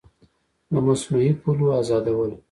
له مصنوعي پولو ازادول